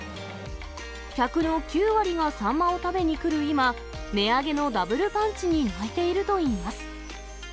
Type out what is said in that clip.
客の９割がサンマを食べに来る今、値上げのダブルパンチに泣いているといいます。